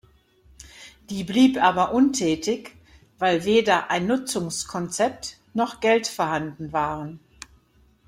Die blieb aber untätig, weil weder ein Nutzungskonzept noch Geld vorhanden waren.